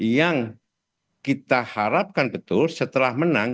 yang kita harapkan betul setelah menang